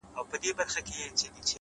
• نیمه پټه په زړو څیري جامو کي ,